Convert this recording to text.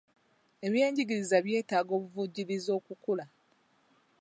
Ebyenjigiriza byetaaga obuvujjirizi okukula.